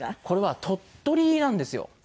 これは鳥取なんですよ。